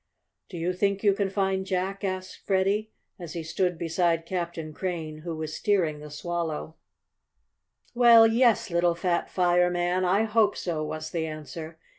"Do you think you can find Jack?" asked Freddie, as he stood beside Captain Crane, who was steering the Swallow. "Well, yes, little fat fireman. I hope so," was the answer.